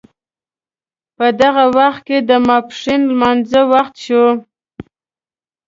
په دغه وخت کې د ماپښین لمانځه وخت شو.